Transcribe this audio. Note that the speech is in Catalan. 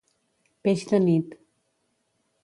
Peix de nit.